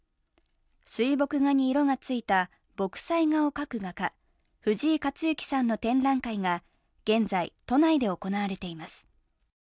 水墨画に色がついた墨彩画を描く画家、藤井克之さんの展覧会が現在、都内で行われています。